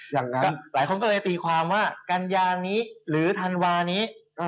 อย่างนั้นหลายคนก็เลยตีความว่ากัญญานี้หรือธันวานี้